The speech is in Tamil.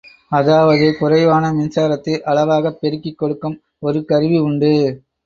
அதாவது குறைவான மின்சாரத்தை அளவாகப் பெருக்கிக் கொடுக்கும் ஒரு கருவி உண்டு.